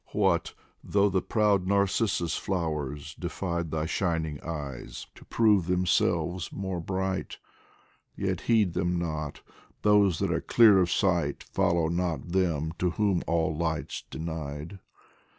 What though the proud narcissus flowers defied Thy shining eyes to prove themselves mon bright, Yet heed them not ! those that are clear of sight Follow not them to whom all light's denied.